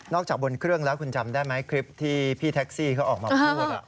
จากบนเครื่องแล้วคุณจำได้ไหมคลิปที่พี่แท็กซี่เขาออกมาพูด